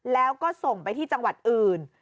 แล้วก็ส่งไปที่จังหวัดอื่น